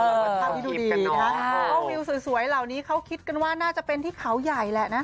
ท่องวิวสวยเหล่านี้เขาคิดหน้าจะเป็นที่ขาวใหญ่แหละนะ